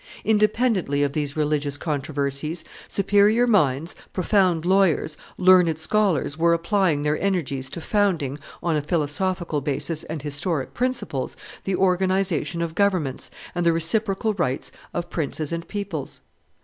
Independently of these religious controversies, superior minds, profound lawyers, learned scholars were applying their energies to founding, on a philosophical basis and historic principles, the organization of governments and the reciprocal rights of princes and peoples.